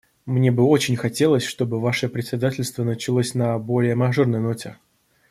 Мне бы очень хотелось, чтобы Ваше председательство началось на более мажорной ноте.